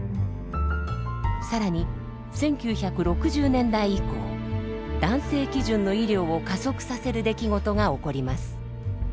更に１９６０年代以降男性基準の医療を加速させる出来事が起こります。